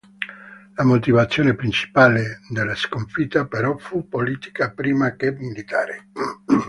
La motivazione principale della sconfitta, però, fu politica prima che militare.